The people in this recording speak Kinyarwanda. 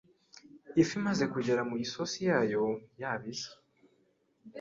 Ifi imaze kugera mu isosi yayo yabize